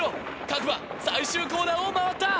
各馬最終コーナーを回った！